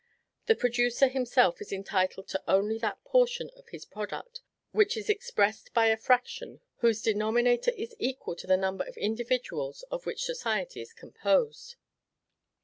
The producer himself is entitled to only that portion of his product, which is expressed by a fraction whose denominator is equal to the number of individuals of which society is composed.